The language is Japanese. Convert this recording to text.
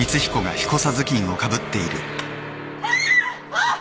あっ！